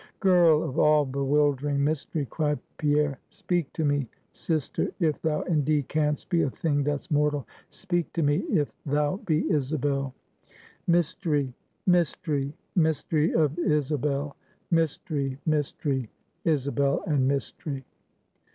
"Girl of all bewildering mystery!" cried Pierre "Speak to me; sister, if thou indeed canst be a thing that's mortal speak to me, if thou be Isabel!" "Mystery! Mystery! Mystery of Isabel! Mystery! Mystery! Isabel and Mystery!"